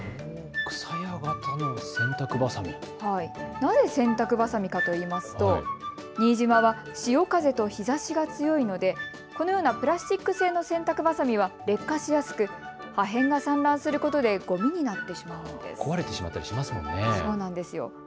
なぜ洗濯バサミかといいますと新島は潮風と日ざしが強いのでこのようなプラスチック製の洗濯ばさみは劣化しやすく、破片が散乱することで、ごみになってしまうんです。